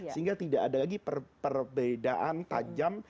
sehingga tidak ada lagi perbedaan tajam